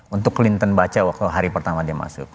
untuk clinton baca waktu hari pertama dia masuk